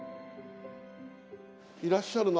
いらっしゃるの？